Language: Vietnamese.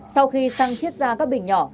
sau khi sang chiết ra các bình nhỏ